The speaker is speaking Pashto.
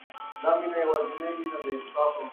خپل ماشومان له اور څخه لرې وساتئ.